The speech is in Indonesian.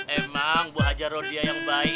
emang boha gaul dia yang baik